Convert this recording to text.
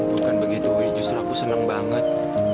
bukan begitu justru aku senang banget